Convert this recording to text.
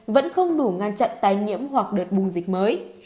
vẫn không đủ ngăn chặn tái nhiễm hoặc đợt bùng dịch mới